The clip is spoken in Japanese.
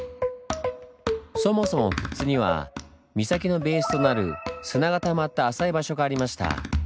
そもそも富津には岬のベースとなる砂がたまった浅い場所がありました。